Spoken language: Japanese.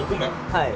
はい。